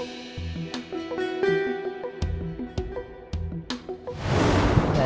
jadi kalau bicara juga hati hati